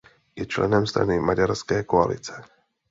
Je členem Strany maďarské koalice.